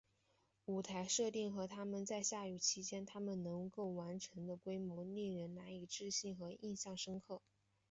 舞台的设定和他们在下雨期间他们能够完成的规模令人难以置信和印象深刻。